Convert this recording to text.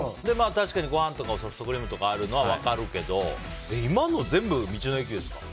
確かにごはんとかソフトクリームとかあるのは分かるけど今の全部、道の駅ですか？